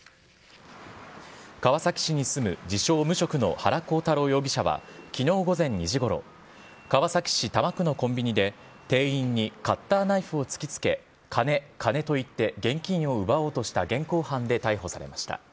川崎市に住む自称無職の原光太郎容疑者は、きのう午前２時ごろ、川崎市多摩区のコンビニで、店員にカッターナイフを突きつけ、金、金と言って現金を奪おうとした現行犯で逮捕されました。